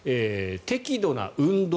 適度な運動